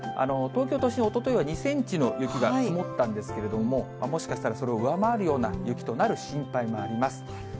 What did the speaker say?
東京都心、おとといは２センチの雪が積もったんですけれども、もしかしたら、それを上回るような雪となる心配もあります。